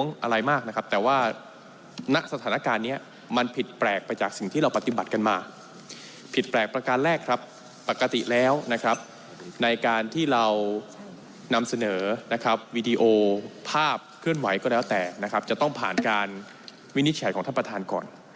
ในการที่เรานำเสนอนะครับวีดีโอภาพเคลื่อนไหวก็แล้วแต่นะครับจะต้องผ่านการวินิจฉัยของท่านประธานก่อน